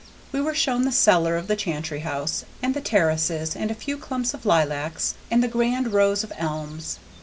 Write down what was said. We were shown the cellar of the Chantrey house, and the terraces, and a few clumps of lilacs, and the grand rows of elms.